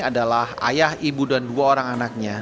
adalah ayah ibu dan dua orang anaknya